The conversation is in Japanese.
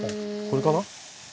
これかな？